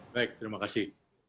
baik terima kasih